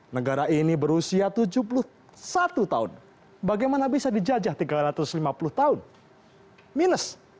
negara ini berusia tujuh puluh satu tahun bagaimana bisa dijajah tiga ratus lima puluh tahun minus